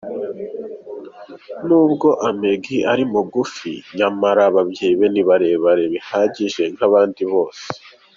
N'ubwo Amge ari mugufi nyamara ababyeyi be ni barebare bihagije nk'abandi bose.